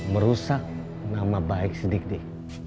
merusak nama baik si dik dik